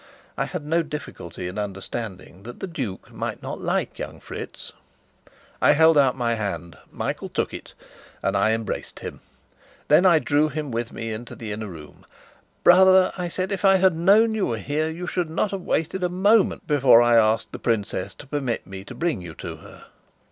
I had no difficulty in understanding that the duke might not like young Fritz. I held out my hand, Michael took it, and I embraced him. Then I drew him with me into the inner room. "Brother," I said, "if I had known you were here, you should not have waited a moment before I asked the princess to permit me to bring you to her."